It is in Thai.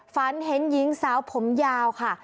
ฝันเห็นหญิงสาวผมยาวค่ะ